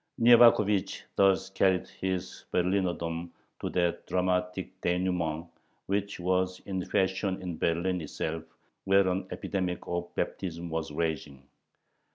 Nyevakhovich thus carried his "Berlinerdom" to that dramatic dénouement which was in fashion in Berlin itself, where an epidemic of baptism was raging.